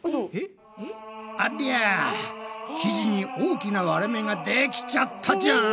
ありゃ生地に大きな割れ目ができちゃったじゃん！